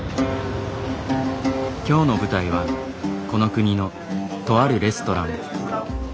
今日の舞台はこの国のとあるレストラン。